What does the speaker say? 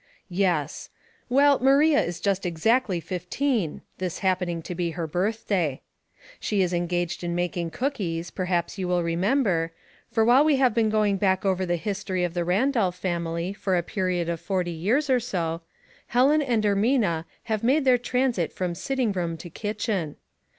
Yes! Well, Maria is just exact ly fifteen, this happening to be her birthday. She is engaged in making cookies, perhaps you remember, for while we have been going back over the history of the Randolph family for a period of forty years or so, Helen and Ermina have made their transit from sitting room to kitchen.